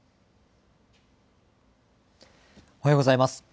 おはようございます。